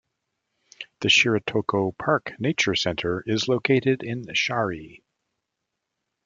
The Shiretoko Park Nature Center is located in Shari.